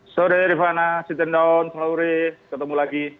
sore rifana siti daon selamat sore ketemu lagi